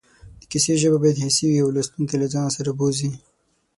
د کیسې ژبه باید حسي وي او لوستونکی له ځان سره بوځي